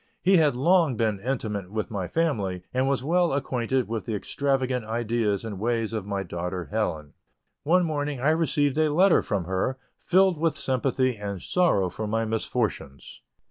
He had long been intimate with my family, and was well acquainted with the extravagant ideas and ways of my daughter Helen. One morning, I received a letter from her, filled with sympathy and sorrow for my misfortunes.